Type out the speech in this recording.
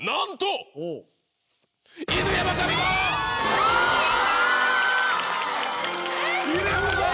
犬山さん